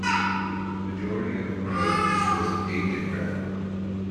A majority of the road was paved in gravel.